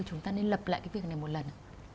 chúng ta nên lập lại việc này một lần